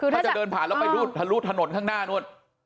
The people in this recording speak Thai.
ถ้าจะเดินผ่านแล้วไปทะลุถนนข้างหน้านู้น